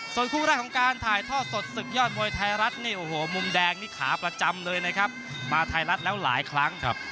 ส่วนคู่แรกของการถ่ายทอดสดศึกยอดมวยไทยรัฐนี่โอ้โหมุมแดงนี่ขาประจำเลยนะครับมาไทยรัฐแล้วหลายครั้ง